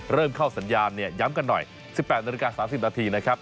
เริ่มเข้าสัญญาณเนี่ยย้ำกันหน่อย๑๘นาฬิกา๓๐นาทีนะครับ